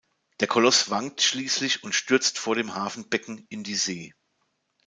Der Koloss wankt schließlich und stürzt vor dem Hafenbecken in die See.